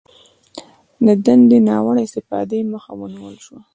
د دندې د ناوړه استفادې مخه ونیول شوه